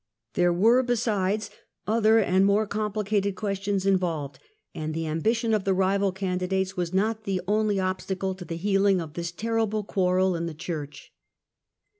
There were, besides, other and more complicated questions involved, and the ambition of the rival candidates was not the only ob stacle to the healing of this terrible quarrel in the Church.